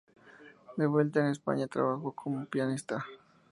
De vuelta en España, trabajó como pianista.